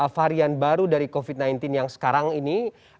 varian baru dari covid sembilan belas yang sekarang ini